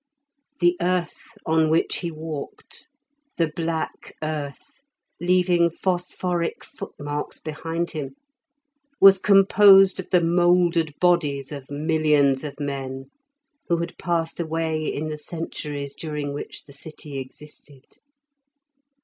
The earth on which he walked, the black earth, leaving phosphoric footmarks behind him, was composed of the mouldered bodies of millions of men who had passed away in the centuries during which the city existed.